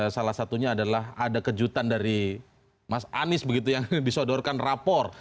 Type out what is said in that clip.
salah satunya adalah ada kejutan dari mas anies begitu yang disodorkan rapor